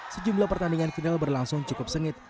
sejumlah pertandingan final berlangsung cukup sengit